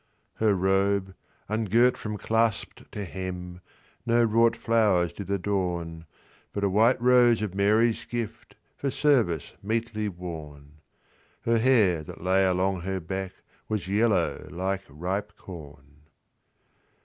Her robe, ungirt from clasp to hem, No wrought flowers did adorn, But a white rose of Mary's gift, For service meetly worn; Her hair that lay along her backWas yellow like ripe corn.